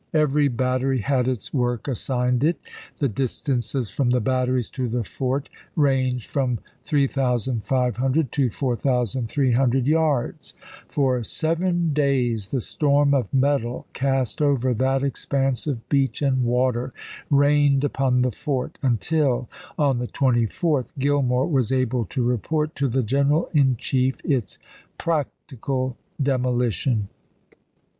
Every battery had its work assigned it; the distances from the batteries to the fort ranged from 3500 to 4300 yards; for seven days the storm of metal cast over that expanse of beach and water rained upon the fort, until, on the 24th, Grillmore was able to report to the general in chief its " practical demolition."